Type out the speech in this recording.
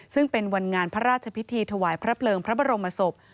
ซึ่งเป็นวันงานพระราชพิธีถวายพระเพลิงพระบรมศพ